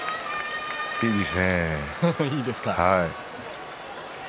いいですね。